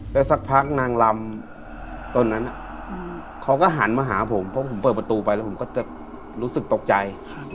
แล้วสักพักนางลำต้นนั้นเขาก็หันมาหาผมเพราะผมเปิดประตูไปแล้วผมก็จะรู้สึกตกใจ